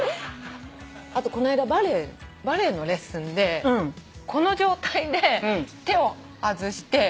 あとこの間バレエのレッスンでこの状態で手を外して。